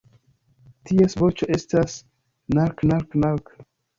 Ties voĉo estas ""nark-nark-nark-nark"".